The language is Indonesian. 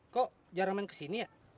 kok jarang main kesini ya